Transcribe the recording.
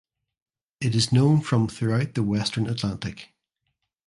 It is known from throughout the western Atlantic.